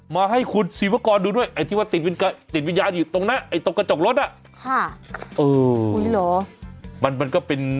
มาให้คุณศิวากรดูด้วยไอ้ที่ว่าติดวิญญาณอยู่ตรงนั้น